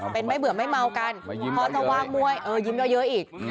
เป็นไม่เบื่อไม่เมากันพอจะว่างมวยเออยิ้มเยอะอีก